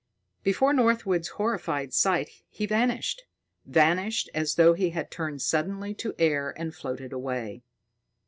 Before Northwood's horrified sight, he vanished; vanished as though he had turned suddenly to air and floated away.